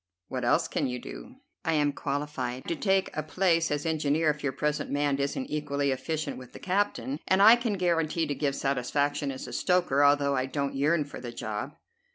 What else can you do?" "I am qualified to take a place as engineer if your present man isn't equally efficient with the captain; and I can guarantee to give satisfaction as a stoker, although I don't yearn for the job."